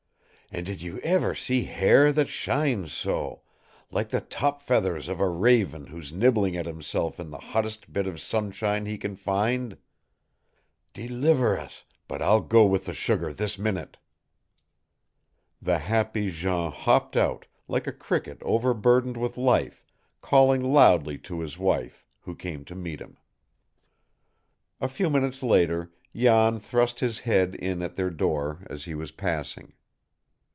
And did you ever see hair that shines so, like the top feathers of a raven who's nibbling at himself in the hottest bit of sunshine he can find? Deliver us, but I'll go with the sugar this minute!" The happy Jean hopped out, like a cricket over burdened with life, calling loudly to his wife, who came to meet him. A few minutes later Jan thrust his head in at their door, as he was passing.